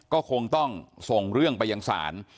ก็คงต้องส่งเรื่องไปยังศาล